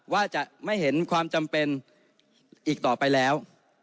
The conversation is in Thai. ว่าจะไม่เห็นความจำเป็นอีกต่อไปแล้ว